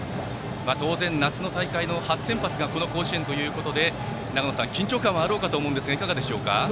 当然、夏の大会の初先発がこの甲子園ということで長野さん緊張感はあろうかと思いますがいかがでしょうか。